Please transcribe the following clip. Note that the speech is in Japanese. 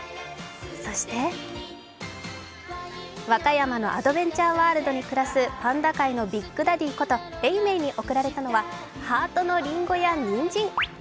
そして和歌山のアドベンチャーワールドに暮らすパンダ界のビッグダディこと永明に贈られたのはハートのりんごやにんじん。